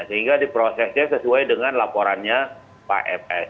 sehingga diprosesnya sesuai dengan laporannya pak fs